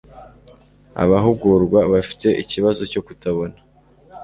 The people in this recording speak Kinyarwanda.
abahugurwa bafite ikibazo cyo kutabona